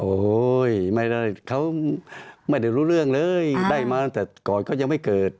โอ้โหไม่ได้เขาไม่ได้รู้เรื่องเลยได้มาตั้งแต่ก่อนก็ยังไม่เกิด